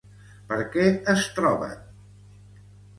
Per què es troben?